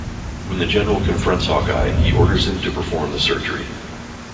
When the general confronts Hawkeye, he orders him to perform the surgery.